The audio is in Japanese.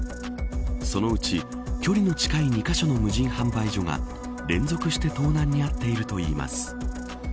そのうち距離の近い２カ所の無人販売所が連続して盗難に遭っているといいます。